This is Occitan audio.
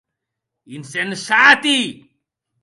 Insensati!